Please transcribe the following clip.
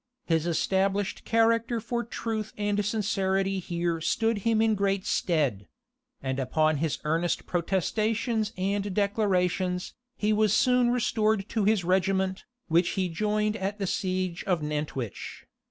His established character for truth and sincerity here stood him in great stead; and upon his earnest protestations and declarations, he was soon restored to his regiment, which he joined at the siege of Nantwich.